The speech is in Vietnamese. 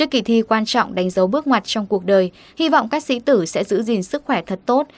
ba mươi kỳ thi quan trọng đánh dấu bước ngoặt trong cuộc đời hy vọng các sĩ tử sẽ giữ gìn sức khỏe thật tốt